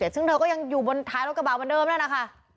ซึ่งเธอก็ยังอยู่บนท้ายรถกระบาดเหมือนเดิมนั่นนะคะ